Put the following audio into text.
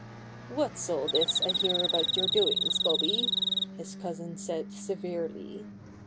"What is all this I hear about your doings, Bobby?" his cousin said severely.